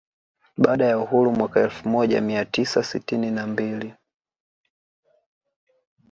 Baada ya uhuru mwaka elfu moja mia tisa sitini na mbili